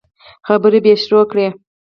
خبرې به يې شروع کړې.